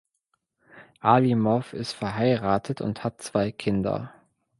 Alimow ist verheiratet und hat zwei Kinder.